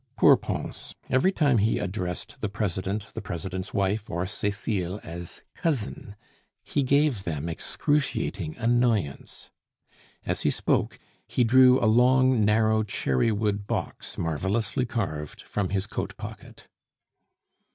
Poor Pons! Every time he addressed the President, the President's wife, or Cecile as "cousin," he gave them excruciating annoyance. As he spoke, he draw a long, narrow cherry wood box, marvelously carved, from his coat pocket.